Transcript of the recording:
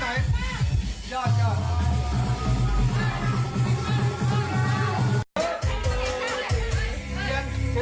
เฮ้ยเธอจับต้นหนึ่งเฮ้ยมีนะ